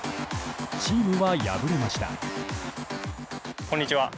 チームは敗れました。